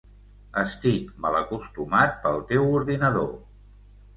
Estic malacostumat pel teu ordinador.